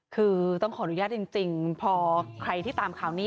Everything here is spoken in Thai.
คือต้องขออนุญาตจริงพอใครที่ตามข่าวนี้